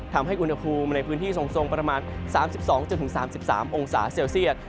ทำให้อุณหภูมิในพื้นที่ทรงประมาณ๓๒๓๓องศาเซลเซียต